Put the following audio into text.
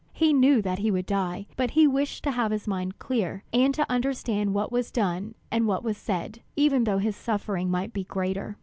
He knew that he would die, but he wished to have his mind clear, and to understand what was done and what was said, even though his sufferings might be greater.